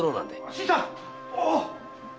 ・新さん！